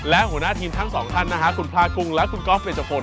และหัวหน้าทีมทั้งสองท่านนะฮะคุณพลากุ้งและคุณก๊อฟเดจพล